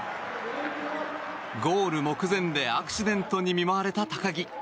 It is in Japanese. ゴール目前でアクシデントに見舞われた高木。